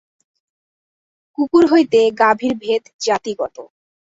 কুকুর হইতে গাভীর ভেদ জাতিগত।